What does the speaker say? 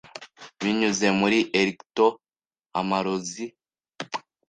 Binyuze muri Erichtho amarozi